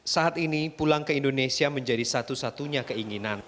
saat ini pulang ke indonesia menjadi satu satunya keinginan